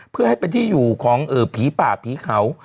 เพื่อให้เป็นที่อยู่ของผีป่าผีเขา